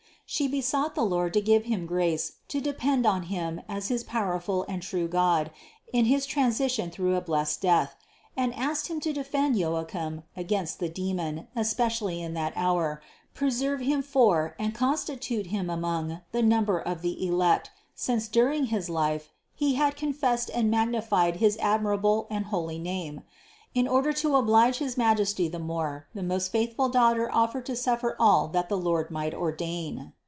She besought the Lord to give him grace to depend upon Him as his powerful and true God in his transit through a blessed death ; and asked Him to defend Joachim against the demon especially in that hour, preserve him for and constitute him among the number of the elect, since dur THE CONCEPTION 517 ing his life He had confessed and magnified his admirable and holy name. And in order to oblige his Majesty the more, the most faithful Daughter offered to suffer all that the Lord might ordain.